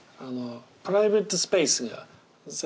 プライベートスペースが全然違う。